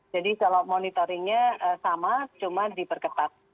jadi kalau monitoringnya sama cuma diperketat